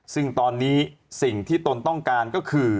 ซึ่งตอนนี้สิ่งที่ตนต้องการก็คือ